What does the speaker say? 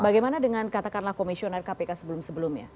bagaimana dengan katakanlah komisioner kpk sebelum sebelumnya